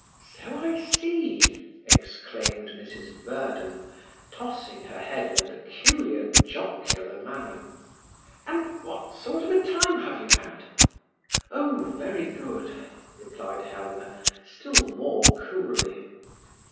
"So I see," exclaimed Mrs Verden, tossing her head in a peculiar jocular manner. "And what sort of a time have you had?" "Oh, very good," replied Helena, still more coolly.